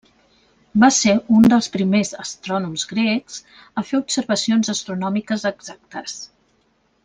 Va ser un dels primers astrònoms grecs a fer observacions astronòmiques exactes.